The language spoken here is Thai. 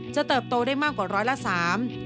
เติบโตได้มากกว่าร้อยละสาม